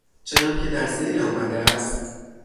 چنانکه در ذیل آمده است.